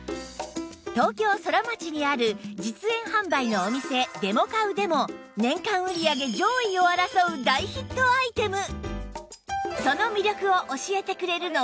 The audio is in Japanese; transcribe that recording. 東京ソラマチにある実演販売のお店デモカウでも年間売り上げ上位を争う大ヒットアイテム！